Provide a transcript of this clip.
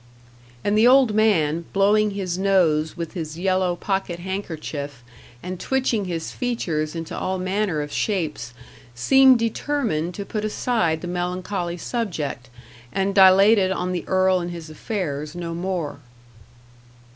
And the old man, blowing his nose with his yellow pocket handkerchief, and twitching his features into all manner of shapes, seemed determined to put aside the melancholy subject, and dilated on the earl and his affairs no more.